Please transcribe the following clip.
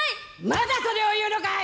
まだそれを言うのかい！